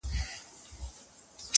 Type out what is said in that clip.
خلک بېلابېل اوازې جوړوي تل,